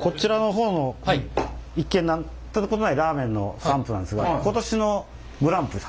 こちらの方の一見なんてことのないラーメンのサンプルなんですが今年のグランプリ。